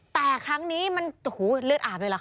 แต่ครั้งนี้มันเลือดอาบเลยเหรอค